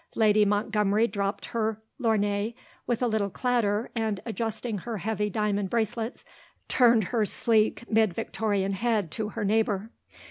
Lady Montgomery dropped her lorgnette with a little clatter and, adjusting her heavy diamond bracelets, turned her sleek mid Victorian head to her neighbour.